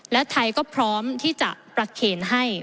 และไทยก็พร้อมที่จะประเคนให้